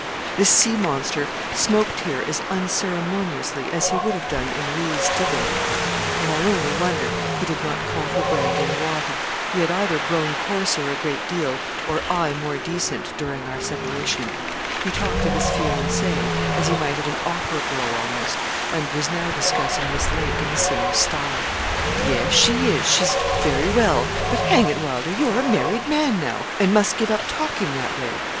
This sea monster smoked here as unceremoniously as he would have done in 'Rees's Divan,' and I only wonder he did not call for brandy and water. He had either grown coarser a great deal, or I more decent, during our separation. He talked of his fiancée as he might of an opera girl almost, and was now discussing Miss Lake in the same style. 'Yes, she is she's very well; but hang it, Wylder, you're a married man now, and must give up talking that way.